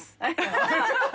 ハハハ